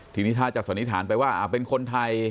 ทีนี้ถ้าจะสันนิษฐานไปว่าเป็นคนไทย